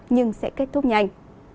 nhưng sẽ kết thúc nhanh